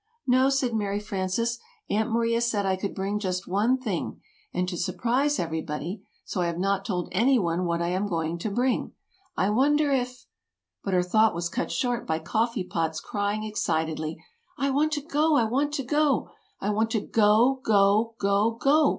"No," said Mary Frances. "Aunt Maria said I could bring just one thing and to surprise everybody; so I have not told anyone what I am going to bring. I wonder if " [Illustration: "I want to go!"] But her thought was cut short by Coffee Pot's crying excitedly: "I want to go! I want to go! I want to go! go! go! go!